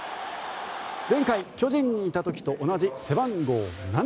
前回、巨人にいた時と同じ背番号７。